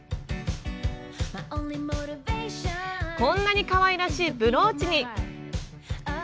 こんなにかわいらしいブローチに！